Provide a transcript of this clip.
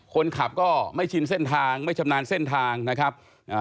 คนขับก็ไม่ชินเส้นทางไม่ชำนาญเส้นทางนะครับ